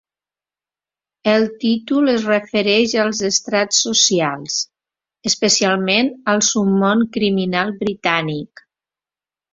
El títol es refereix als estrats socials, especialment al submón criminal britànic.